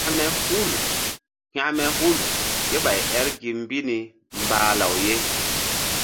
Hekme hul ké ɓay el gi mbi ni mbah law ye.